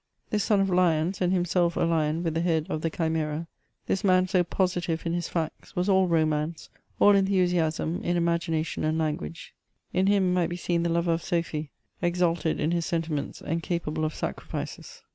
This son of lions, and himself a lion with the head of the Chimera — this man so positive in his facts, was all romance, all enthusiasm, in imagination and language : in him might be seen the lover of Sophie, exalted in his sentiments, and capable of sacrifices.